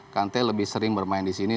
kante lebih sering bermain di sini